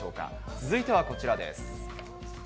続いてはこちらです。